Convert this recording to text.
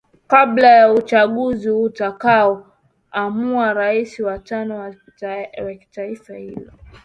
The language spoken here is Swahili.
kabla ya uchaguzi utakao amua rais wa tano wa taifa hilo